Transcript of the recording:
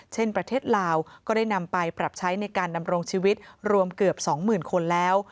ประเทศลาวก็ได้นำไปปรับใช้ในการดำรงชีวิตรวมเกือบ๒๐๐๐คนแล้ว